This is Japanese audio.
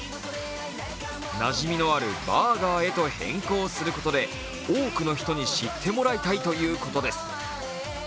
なじみのあるバーガーへと変更することで多くの人に知ってもらいたいということです。